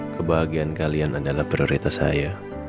kebahagiaan kalian adalah prioritas saya